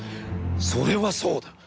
「それはそうだ。